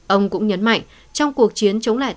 ông cũng nhấn mạnh trong cuộc chiến chống lại